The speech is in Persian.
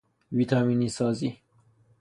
ویتامینی سازی